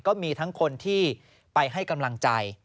ก็มีทั้งคนที่ไปให้กำลังใจ